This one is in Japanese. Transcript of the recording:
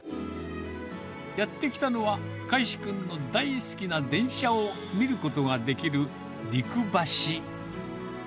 やって来たのは、かいしくんの大好きな電車を見ることができる陸橋。